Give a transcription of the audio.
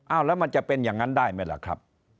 แล้วมันจะเป็นอย่างนั้นได้ไหมล่ะครับ